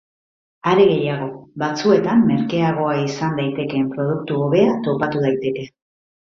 Are gehiago, batzuetan merkeagoa izan daitekeen produktu hobea topatu daiteke.